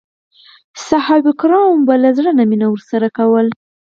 صحابه کرامو به له زړه نه مینه ورسره کوله.